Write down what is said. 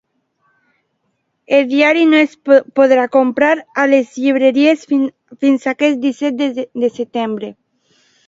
El diari no es podrà comprar a les llibreries fins aquest disset de setembre.